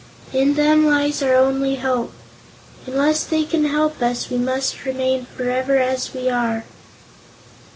In them lies our only hope. Unless they can help us, we must remain forever as we are."